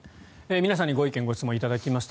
皆さんにご意見・ご質問頂きました。